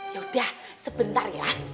ya udah sebentar ya